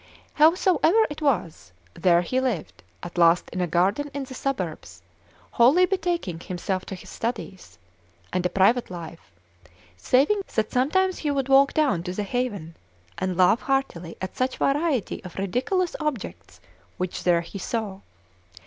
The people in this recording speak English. Howsoever it was, there he lived at last in a garden in the suburbs, wholly betaking himself to his studies and a private life, saving that sometimes he would walk down to the haven, and laugh heartily at such variety of ridiculous objects, which there he saw.